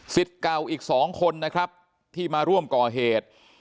เก่าอีก๒คนนะครับที่มาร่วมก่อเหตุ